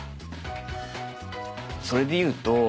それでいうと。